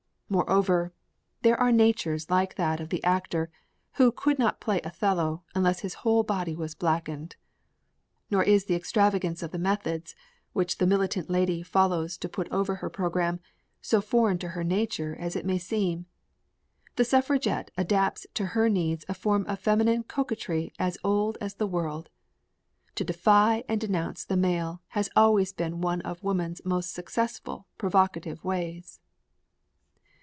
Moreover, there are natures like that of the actor who could not play Othello unless his whole body was blackened. Nor is the extravagance of the methods, which the militant lady follows to put over her program, so foreign to her nature as it may seem. The suffragette adapts to her needs a form of feminine coquetry as old as the world. To defy and denounce the male has always been one of woman's most successful provocative ways!